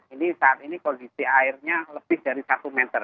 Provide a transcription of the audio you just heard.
ini saat ini kondisi airnya lebih dari satu meter